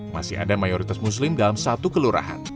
masih ada mayoritas muslim dalam satu kelurahan